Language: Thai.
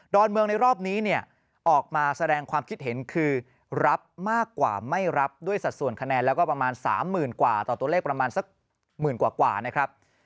อนเมืองในรอบนี้เนี่ยออกมาแสดงความคิดเห็นคือรับมากกว่าไม่รับด้วยสัดส่วนคะแนนแล้วก็ประมาณ๓๐๐๐กว่าต่อตัวเลขประมาณสักหมื่นกว่านะครับ